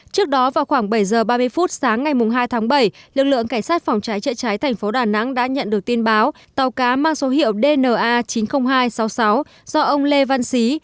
trước đó vào khoảng bảy h ba mươi phút sáng ngày hai tháng bảy lực lượng cảnh sát phòng cháy chữa cháy thành phố đà nẵng đã nhận được tin báo tàu cá mang số hiệu dna chín mươi nghìn hai trăm sáu mươi sáu do ông lê văn xí